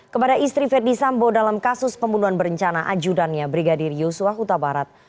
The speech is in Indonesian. kepada istri verdi sambo dalam kasus pembunuhan berencana ajudannya brigadir yosua huta barat